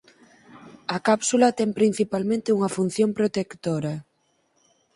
A cápsula ten principalmente unha función protectora.